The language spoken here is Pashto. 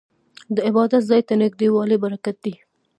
د عبادت ځای ته نږدې والی برکت دی.